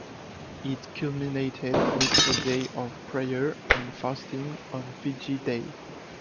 It culminated with a day of prayer and fasting on Fiji Day.